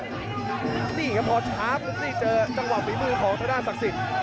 นี่ครับพอช้าพุทธิ์เจอจังหวัดฝีมือของตัวหน้าศักดิ์สิทธิ์